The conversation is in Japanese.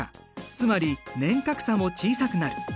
つまり年較差も小さくなる。